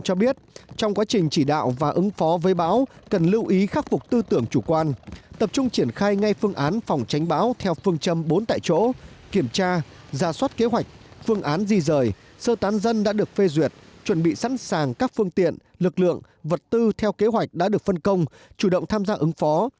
cho biết trong quá trình chỉ đạo và ứng phó với bão cần lưu ý khắc phục tư tưởng chủ quan tập trung triển khai ngay phương án phòng tránh bão theo phương châm bốn tại chỗ kiểm tra giả soát kế hoạch phương án di rời sơ tán dân đã được phê duyệt chuẩn bị sẵn sàng các phương tiện lực lượng vật tư theo kế hoạch đã được phân công chủ động tham gia ứng phó